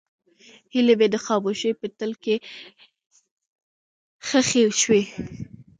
هیلې مې د خاموشۍ په تل کې ښخې شوې.